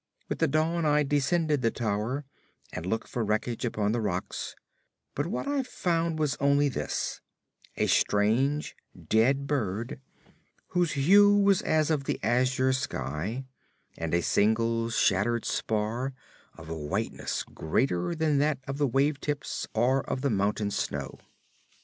With the dawn I descended the tower and looked for wreckage upon the rocks, but what I found was only this: a strange dead bird whose hue was as of the azure sky, and a single shattered spar, of a whiteness greater than that of the wave tips or of the mountain snow.